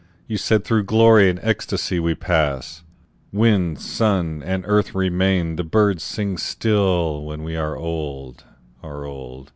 You said, "Through glory and ecstasy we pass; Wind, sun, and earth remain, the birds sing still, When we are old, are old.